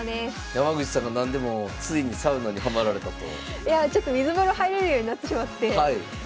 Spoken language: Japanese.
山口さんがなんでもついにサウナにハマられたと。